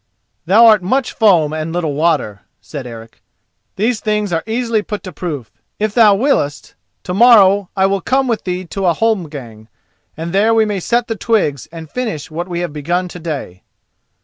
"Thou art much foam and little water," said Eric. "These things are easily put to proof. If thou willest it, to morrow I will come with thee to a holmgang, and there we may set the twigs and finish what we have begun to day."